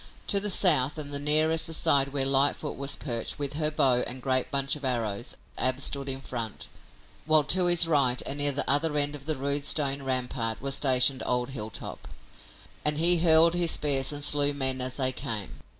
To the south and nearest the side where Lightfoot was perched with her bow and great bunch of arrows Ab stood in front, while to his right and near the other end of the rude stone rampart was stationed old Hilltop, and he hurled his spears and slew men as they came.